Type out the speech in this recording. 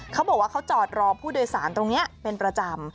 เขาบอกว่าเขาจอดรอผู้โดยสารตรงนี้เป็นประจำ